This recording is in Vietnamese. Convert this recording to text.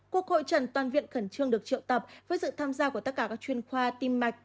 cuộc hội trần toàn viện khẩn trương được triệu tập với sự tham gia của tất cả các chuyên khoa tim mạch